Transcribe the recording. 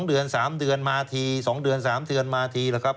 เดือน๓เดือนมาที๒เดือน๓เดือนมาทีละครับ